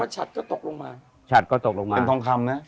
ชัดก็ตกลงมาฉัดก็ตกลงมาเป็นทองคำนะ